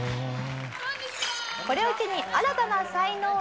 これを機に新たな才能が開花。